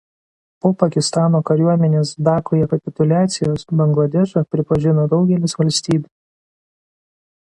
Po Pakistano kariuomenės Dakoje kapituliacijos Bangladešą pripažino daugelis valstybių.